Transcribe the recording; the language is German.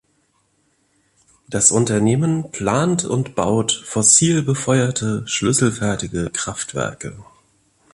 Das Unternehmen plant und baut fossil befeuerte schlüsselfertige Kraftwerke.